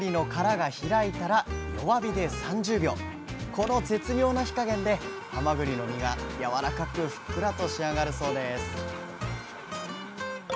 この絶妙な火加減ではまぐりの身がやわらかくふっくらと仕上がるそうです。